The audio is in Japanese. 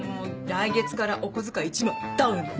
来月からお小遣い１万ダウンね。